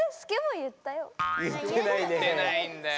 言ってないんだよ。